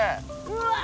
うわ。